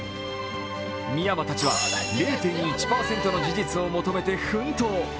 深山たちは０．１％の事実を求めて奮闘。